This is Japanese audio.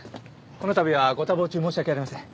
この度はご多忙中申し訳ありません。